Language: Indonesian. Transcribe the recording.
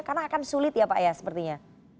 karena akan sulit ya pak ya sepertinya